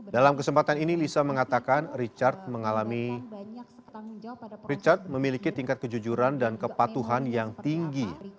dalam kesempatan ini lisa mengatakan richard mengalami richard memiliki tingkat kejujuran dan kepatuhan yang tinggi